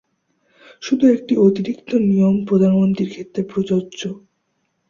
শুধু একটি অতিরিক্ত নিয়ম প্রধানমন্ত্রীর ক্ষেত্রে প্রযোজ্য।